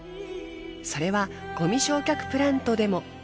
それはごみ焼却プラントでも。